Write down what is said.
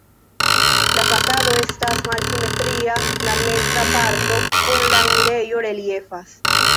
La fasado estas malsimetria, la meza parto kun la enirejo reliefas.